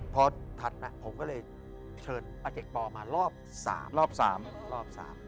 พอถัดนะผมก็เลยเชิดอาเจกปอมารอบสามรอบสาม